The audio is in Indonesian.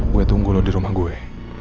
gue tunggu loh di rumah gue